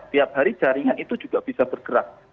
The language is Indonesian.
tiap hari jaringan itu juga bisa bergerak